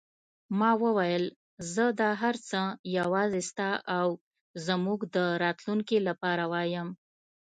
ما وویل: زه دا هر څه یوازې ستا او زموږ د راتلونکې لپاره وایم.